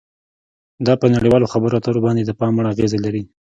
دا په نړیوالو خبرو اترو باندې د پام وړ اغیزه لري